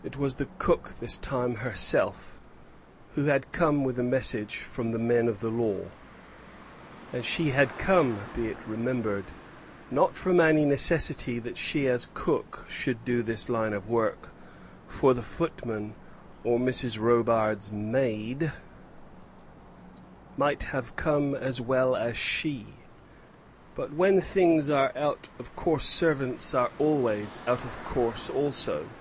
It was the cook this time herself, who had come with a message from the men of the law. And she had come, be it remembered, not from any necessity that she as cook should do this line of work; for the footman, or Mrs. Robarts' maid, might have come as well as she. But when things are out of course servants are always out of course also.